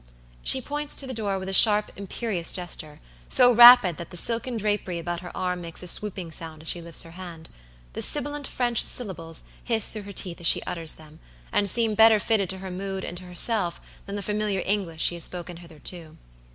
She points to the door with a sharp, imperious gesture; so rapid that the silken drapery about her arm makes a swooping sound as she lifts her hand. The sibilant French syllables hiss through her teeth as she utters them, and seem better fitted to her mood and to herself than the familiar English she has spoken hitherto.